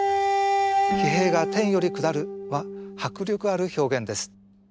「奇兵が天より降る」は迫力ある表現です。